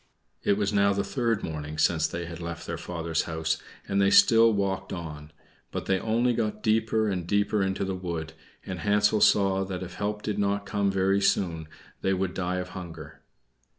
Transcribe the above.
It was now the third morning since they had left their father's house, and they still walked on; but they only got deeper and deeper into the wood, and Hansel saw that if help did not come very soon they would die of hunger.